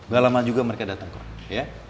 gak lama juga mereka datang kok ya